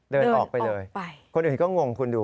เดินออกไปเลยคนอื่นก็งงคุณดู